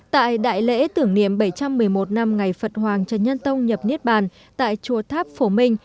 tại đại lễ tưởng niệm bảy trăm một mươi một năm ngày phật hoàng trần nhân tông nhập niết bàn tại chùa tháp phổ minh